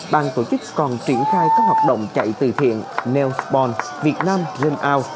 bang tổ chức còn triển khai các hoạt động chạy từ thiện nels bond việt nam renau